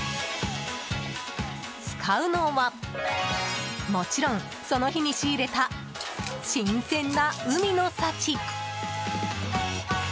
使うのは、もちろんその日に仕入れた新鮮な海の幸。